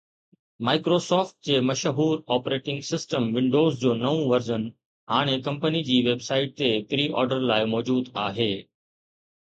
Microsoft جي مشهور operating system Windows جو نئون ورزن هاڻي ڪمپني جي ويب سائيٽ تي پري آرڊر لاءِ موجود آهي